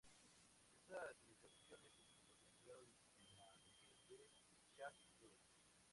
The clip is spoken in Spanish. Estas insurrecciones incluso continuaron en la vejez de Shah Rukh.